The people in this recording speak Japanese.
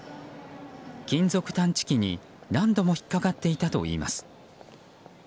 金属探知機に何度も引っかかっていたといいます。